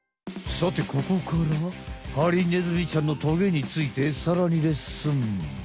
さてここからはハリネズミちゃんのトゲについてさらにレッスン！